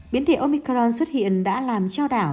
biến thể omicron xuất hiện đã làm trao đảo